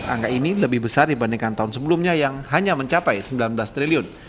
angka ini lebih besar dibandingkan tahun sebelumnya yang hanya mencapai sembilan belas triliun